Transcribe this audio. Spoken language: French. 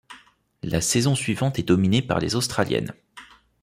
La saison suivante est dominée par les Australiennes.